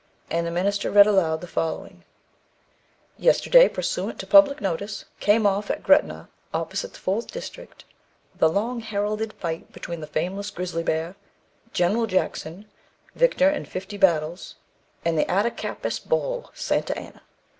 And the minister read aloud the following: "Yesterday, pursuant to public notice, came off at Gretna, opposite the Fourth District, the long heralded fight between the famous grizzly bear, General Jackson (victor in fifty battles), and the Attakapas bull, Santa Anna.